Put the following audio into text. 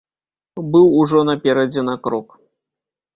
Быў ужо наперадзе на крок.